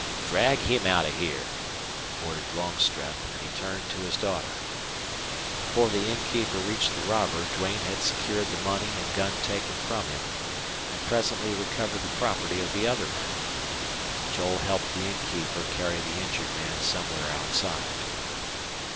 "Drag him out of here!" ordered Longstreth; and he turned to his daughter. Before the innkeeper reached the robber Duane had secured the money and gun taken from him; and presently recovered the property of the other men. Joel helped the innkeeper carry the injured man somewhere outside.